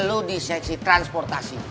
lo di seksi transportasi